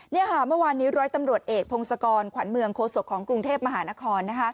นี่ค่ะเมื่อวานนี้ร้อยตำรวจเอกพงศกรขวัญเมืองโคศกของกรุงเทพมหานคร